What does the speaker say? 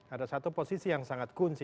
ada satu posisi yang sangat kunci